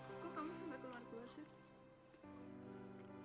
kok kamu sih gak keluar gue seth